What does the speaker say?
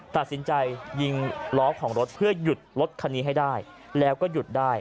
ตัดสินใจยิงล้อของรถเพื่อหยุดรถคันนี้ให้ได้แล้วก็หยุดได้